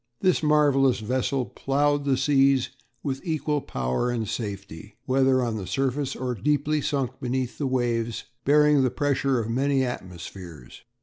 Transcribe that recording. This marvellous vessel ploughed the seas with equal power and safety, whether on the surface or deeply sunk beneath the waves, bearing the pressure of many atmospheres.